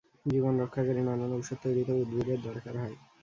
জীবন রক্ষাকারী নানান ঔষধ তৈরিতেও উদ্ভিদের দরকার হয়।